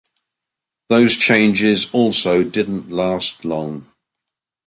Those changes also didn't last long.